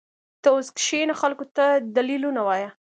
ته اوس کښېنه خلقو ته دليلونه ووايه.